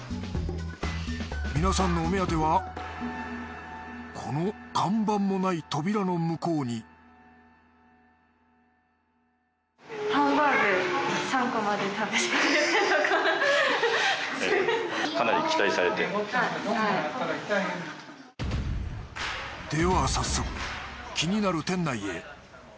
皆さんのお目当てはこの看板もない扉の向こうにでは早速気になる店内へ。